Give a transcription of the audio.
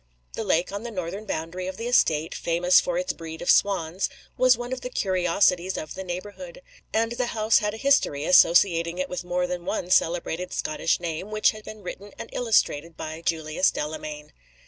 The lake on the northern boundary of the estate, famous for its breed of swans, was one of the curiosities of the neighborhood; and the house had a history, associating it with more than one celebrated Scottish name, which had been written and illustrated by Julius Delamayn.